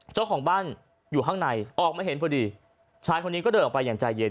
เจ้าของบ้านอยู่ข้างในออกมาเห็นพอดีชายคนนี้ก็เดินออกไปอย่างใจเย็น